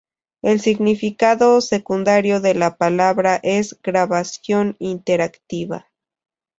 El significado secundario de la palabras es "grabación interactiva".